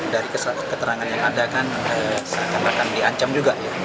dari keterangan yang ada kan saya kira akan diancam juga ya